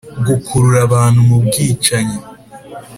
gukurura abantu mubwicanyi